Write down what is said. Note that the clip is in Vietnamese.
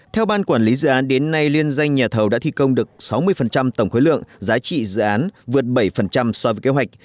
theo ban quản lý dự án đến nay liên danh nhà thầu đã thi công được sáu mươi tổng khối lượng giá trị dự án vượt bảy so với kế hoạch